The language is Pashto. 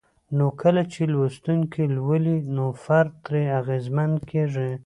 نو کله چې لوستونکي لولي نو فرد ترې اغېزمن کيږي